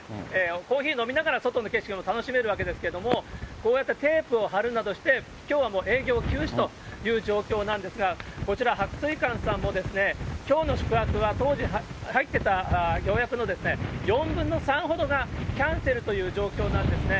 コーヒー飲みながら外の景色も楽しめるわけですけれども、こうやってテープを貼るなどして、きょうはもう、営業休止という状況なんですが、こちら、白水館さんも、きょうの宿泊は、当時、入ってた予約の４分の３ほどがキャンセルという状況なんですね。